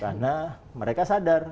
karena mereka sadar